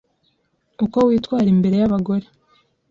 Uko witwara imbere y’abagore